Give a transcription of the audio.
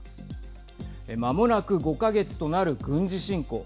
まもなく５か月となる軍事侵攻。